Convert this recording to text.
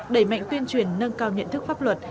đẩy mạnh tuyên truyền nâng cao nhận thức pháp luật